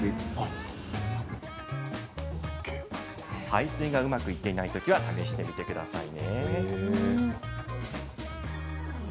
排水がうまくいってないときは試してみてください。